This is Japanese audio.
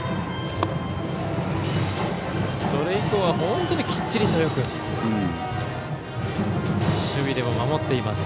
それ以降は本当にきっちりと、よく守備でも守っています。